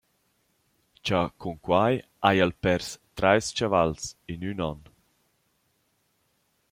Cha cun quai haja’l pers trais chavals in ün on.